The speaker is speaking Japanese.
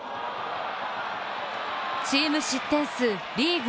リーム失点数リーグ